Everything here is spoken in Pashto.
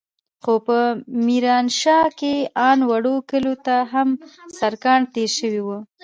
خو په ميرانشاه کښې ان وړو کليو ته هم سړکان تېر سوي وو.